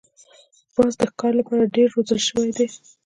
باز د ښکار لپاره ډېر روزل شوی دی